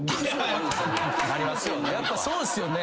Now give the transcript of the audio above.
やっぱそうっすよね？